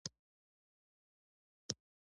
د شمسي لږ تر لږه دوره یوولس کاله ده.